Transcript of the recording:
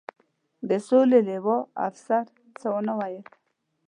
د سولې لوا، افسر څه و نه ویل.